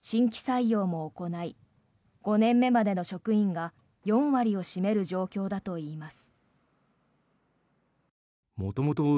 県から職員の応援を受け入れ新規採用も行い５年目までの職員が４割を占める状況だといいます。